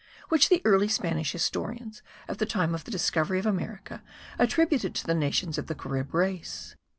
which the early Spanish historians at the time of the discovery of America attributed to the nations of the Carib race.